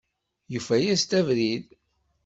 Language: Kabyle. Yufa-yas-d abrid!